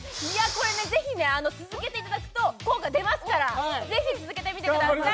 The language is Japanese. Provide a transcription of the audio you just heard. これねぜひね続けていただくと効果出ますからぜひ続けてみてください